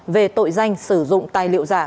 về tội danh sử dụng tài liệu giả